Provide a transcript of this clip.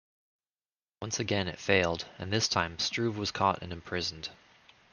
Once again it failed, and this time Struve was caught and imprisoned.